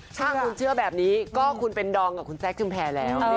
ถ้าคุณเชื่อแบบนี้ก็คุณเป็นดองกับคุณแซคชุมแพรแล้ว